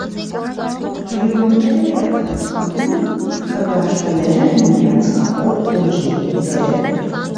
Գլյուոնները իրականացնում են քվարկները միմյանց կապող ուժի դերը։